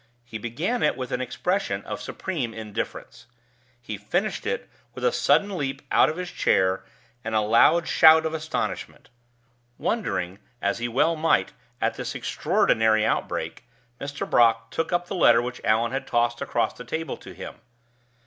He began it with an expression of supreme indifference. He finished it with a sudden leap out of his chair, and a loud shout of astonishment. Wondering, as he well might, at this extraordinary outbreak, Mr. Brock took up the letter which Allan had tossed across the table to him.